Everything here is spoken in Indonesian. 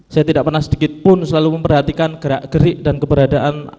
saya tidak pernah sedikit pun selalu memperhatikan gerak gerik dan keberadaan